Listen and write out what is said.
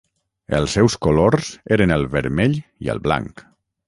Els seus colors eren el vermell i el blanc.